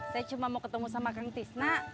saya cuma mau ketemu sama kang tisna